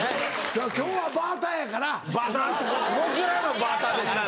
今日はバーターやから。こいつらのバーターで来た。